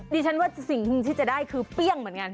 ดิฉันว่าสิ่งที่จะได้คือเปรี้ยงเหมือนกัน